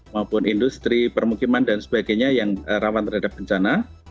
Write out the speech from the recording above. maupun industri permukiman dan sebagainya yang rawan terhadap bencana